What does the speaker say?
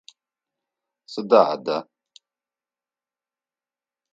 Сыда адэ?